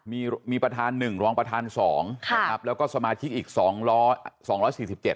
มีมีประธานหนึ่งรองประธานสองค่ะนะครับแล้วก็สมาชิกอีกสองร้อยสองร้อยสี่สิบเจ็ด